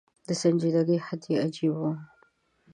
د سنجیدګۍ حد یې عجېبه و.